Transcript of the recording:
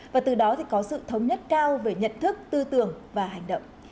và từ đó có sự thống nhất cao về nhận thức tư tưởng và hành động